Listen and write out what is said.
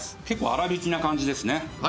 結構粗びきな感じですね。